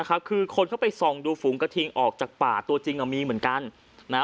คือคนเข้าไปส่องดูฝูงกระทิงออกจากป่าตัวจริงมีเหมือนกันนะฮะ